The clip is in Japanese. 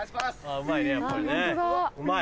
うまいねやっぱりねうまい。